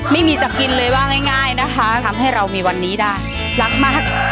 ไม่มีจะกินเลยว่าง่ายนะคะทำให้เรามีวันนี้ได้รักมาก